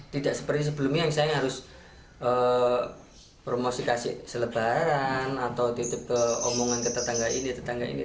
tidak seperti sebelumnya yang saya harus promosi kasih selebaran atau titip ke omongan ke tetangga ini tetangga ini